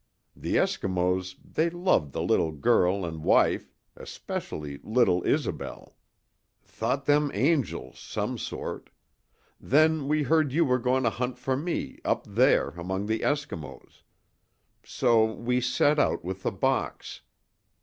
The Eskimos they loved the little girl an' wife, specially little Isobel. Thought them angels some sort. Then we heard you were goin' to hunt for me up there among the Eskimos. So we set out with the box.